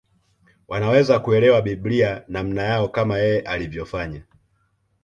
Wanaweza kuelewa Biblia namna yao kama yeye alivyofanya